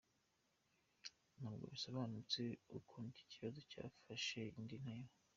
Ntabwo bisobanutse ukuntu iki kibazo cyafashe indi ntera.